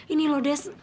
ini loh des